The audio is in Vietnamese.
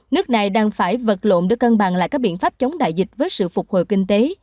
nước này đang phải vật lộn để cân bằng lại các biện pháp chống đại dịch với sự phục hồi kinh tế